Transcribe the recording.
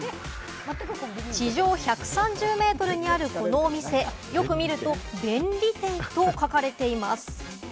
地上１３０ｍにあるこのお店、よく見ると便利店と書かれています。